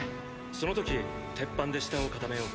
その時鉄板で下を固めよう。